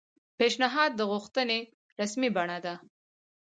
پیشنھاد د غوښتنې رسمي بڼه ده